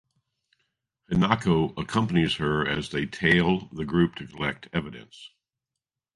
Hinako accompanies her as they tail the group to collect evidence.